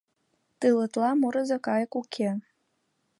Тылетла мурызо кайык уке.